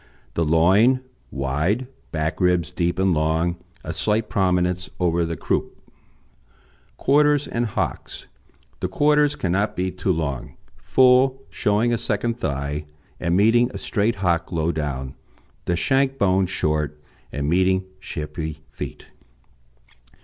The loin wide, back ribs deep and long, a slight prominence over the croup. QUARTERS AND HOCKS The quarters cannot be too long, full, showing a second thigh, and meeting a straight hock low down, the shank bone short, and meeting shapely feet.